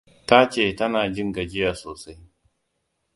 Tace ta na jin gajiya sosai.